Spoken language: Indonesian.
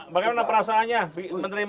bagaimana perasaannya menerima ini sertifikat